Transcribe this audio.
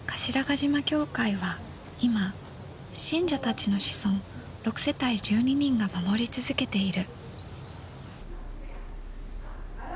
島教会は今信者たちの子孫６世帯１２人が守り続けている。